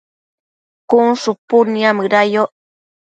cun shupud niamëda yoc